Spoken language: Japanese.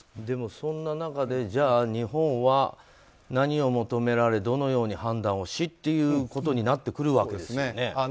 でも、そんな中でじゃあ日本は何を求められどのように判断をしっていうことになってくるわけですよね。